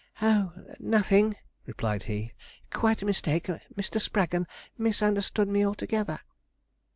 'Oh! nothing,' replied he; 'quite a mistake; Mr. Spraggon misunderstood me altogether.'